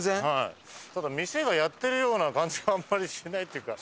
ただ店がやってるような感じがあんまりしないっていうか。